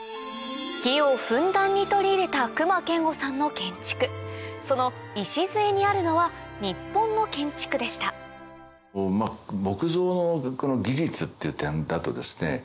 木をふんだんに取り入れた隈研吾さんの建築その礎にあるのは日本の建築でした木造の技術っていう点だとですね